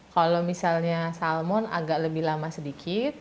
kalau misalnya salmon agak lebih lama sedikit